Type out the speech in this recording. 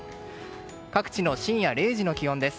各地の深夜０時の気温です。